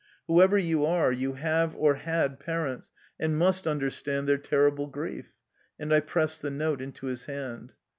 Whoever you are, you have or had parents and must understand their terrible grief." And I pressed the note into his hand.